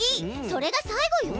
それが最後よ！